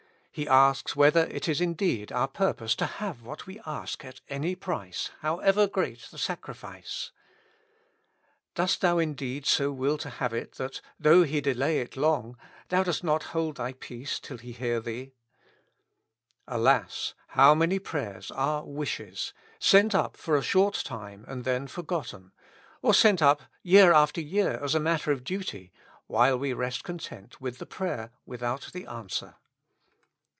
He asks whether it is indeed our purpose to have what we ask at any price, how ever great the sacrifice. Dost thou indeed so will to 6 8i With Christ in the School of Prayer. have it that, though He delay it long, thou dost not hold thy peace till He hear thee ? Alas ! how many prayers are wishes, sent up for a short time and then forgotten, or sent up year after year as matter of duty, while we rest content with the prayer without the answer.